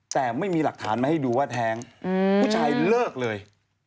แต่ไม่มีหลักฐานมาให้ดูว่าแท้งผู้ชายเลิกเลย